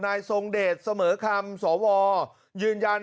ทรงเดชเสมอคำสวยืนยัน